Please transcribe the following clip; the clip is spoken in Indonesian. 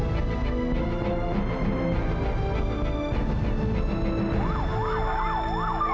masih gak tahu tahu